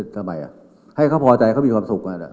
ทำไมให้เขาพอใจเขามีความสุขกัน